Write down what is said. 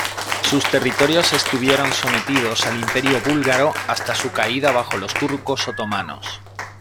Sus territorios estuvieron sometidos al Imperio búlgaro hasta su caída bajo los turcos otomanos.